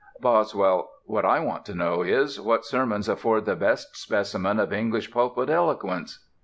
BOSWELL: What I want to know is, what sermons afford the best specimen of English pulpit eloquence.